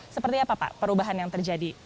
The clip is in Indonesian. seperti apa pak perubahan yang terjadi